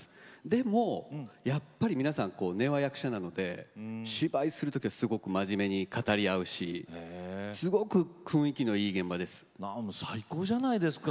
でも、やっぱり皆さん根は役者なので芝居をするときはすごく真面目に語り合うし最高じゃないですか。